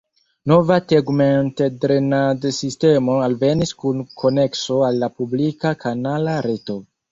Nova tegmentdrenadsistemo alvenis kun konekso al la publika kanala reto.